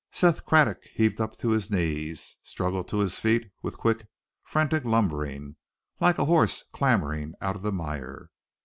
Seth Craddock heaved up to his knees, struggled to his feet with quick, frantic lumbering, like a horse clambering out of the mire.